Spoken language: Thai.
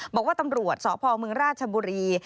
บอกว่าตำรวจสพเมืองราชบุรี